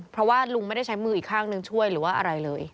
เพราะว่าลุงไม่ได้ใช้มืออีกข้างหนึ่งช่วยหรือว่าอะไรเลย